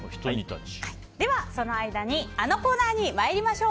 では、その間にあのコーナーに参りましょう。